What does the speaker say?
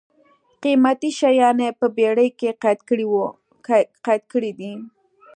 قېمتي شیان یې په بېړۍ کې قید کړي دي.